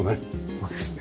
そうですね。